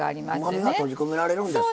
はうまみが閉じ込められるんですか。